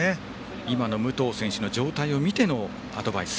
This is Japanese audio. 今の武藤選手の状態を見てのアドバイス。